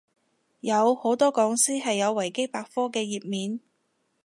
有，好多講師係有維基百科嘅頁面